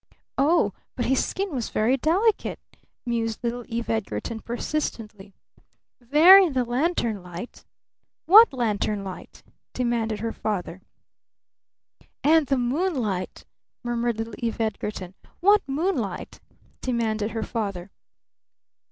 "Oh but his skin was very delicate," mused little Eve Edgarton persistently. "There in the lantern light " "What lantern light?" demanded her father. "And the moonlight," murmured little Eve Edgarton. "What moonlight?" demanded her father.